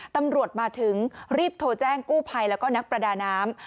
ตำรวจมาถึงรีบโทรแจ้งกู้ภัยแล้วก็นักประดาน้ำ